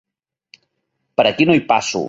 Per aquí no hi passo!